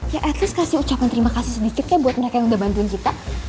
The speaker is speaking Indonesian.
ya at least kasih ucapan terima kasih sedikit ya buat mereka yang udah bantuin kita